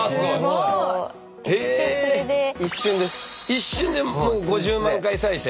一瞬でもう５０万回再生。